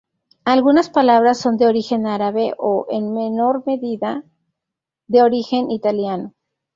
Algunas palabras son de origen árabe o, en menor medida, de origen italiano.